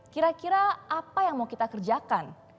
kira kira apa yang mau kita kerjakan